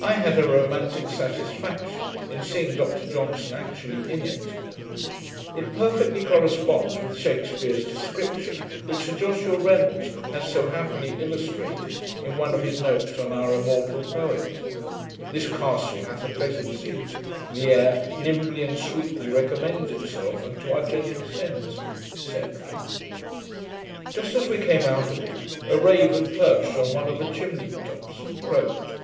I had a romantick satisfaction in seeing Dr Johnson actually in it. It perfectly corresponds with Shakspeare's description, which Sir Joshua Reynolds has so happily illustrated, in one of his notes on our immortal poet: This castle hath a pleasant seat: the air Nimbly and sweetly recommends itself Unto our gentle sense, &c. Just as we came out of it, a raven perched on one of the chimney tops, and croaked.